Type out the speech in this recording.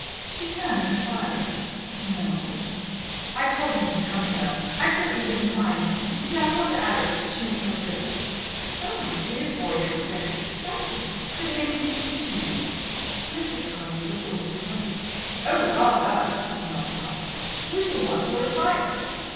She turned enquiringly. "Noel?" "I told him to come here. I thought you wouldn't mind. You see, I want Alex to choose her ring." "Oh, my dear boy! how very exciting! But may we see too?" Mrs. Cardew was also present. "Oh, rather," said Noel heartily. "We shall want your advice."